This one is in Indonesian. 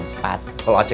nggak boleh kebanyakan ya